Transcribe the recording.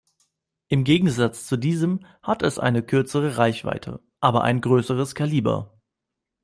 Im Gegensatz zu diesem hat es eine kürzere Reichweite, aber ein größeres Kaliber.